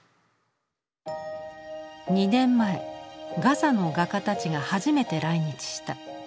２年前ガザの画家たちが初めて来日した。